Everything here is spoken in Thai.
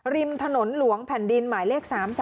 ริมถนนหลวงแผ่นดินหมายเลข๓๓